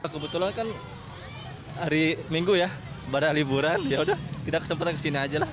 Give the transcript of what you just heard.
kebetulan kan hari minggu ya pada liburan yaudah kita kesempatan kesini aja lah